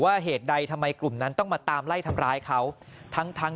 เหตุใดทำไมกลุ่มนั้นต้องมาตามไล่ทำร้ายเขาทั้งทั้ง